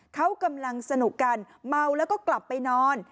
เขากำลังสนุกกันเมาแล้วก็กลับไปนอน